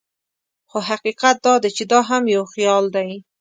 خو حقیقت دا دی چې دا هم یو خیال دی.